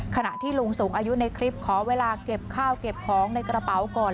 ขณะที่ลุงสูงอายุในคลิปขอเวลาเก็บข้าวเก็บของในกระเป๋าก่อน